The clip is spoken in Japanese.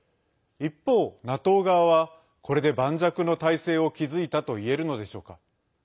一方、ＮＡＴＯ側はこれで盤石の体制を築いたといえるのでしょうか。